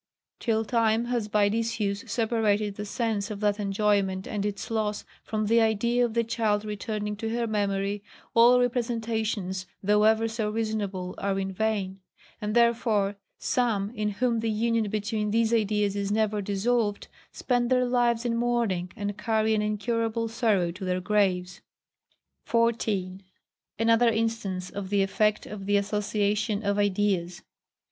Till time has by disuse separated the sense of that enjoyment and its loss, from the idea of the child returning to her memory, all representations, though ever so reasonable, are in vain; and therefore some in whom the union between these ideas is never dissolved, spend their lives in mourning, and carry an incurable sorrow to their graves. 14. Another instance of the Effect of the Association of Ideas.